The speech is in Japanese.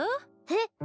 えっ？